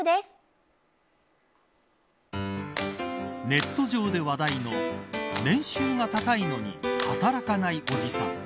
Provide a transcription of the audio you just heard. ネット上で話題の年収が高いのに働かないおじさん。